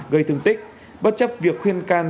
gây thương tích bất chấp việc khuyên can